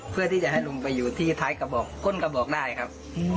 เพื่อที่จะให้ลงไปอยู่ที่ก้นกระบอกได้ครับ